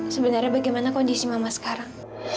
sebenarnya bagaimana kondisi mama sekarang